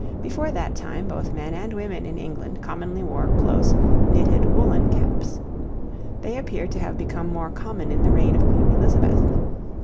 Before that time both men and women in England commonly wore close, knitted, woollen caps. They appear to have become more common in the reign of Queen Elizabeth.